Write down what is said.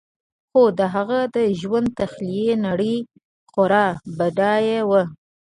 خو د هغه د ژوند تخیلي نړۍ خورا بډایه وه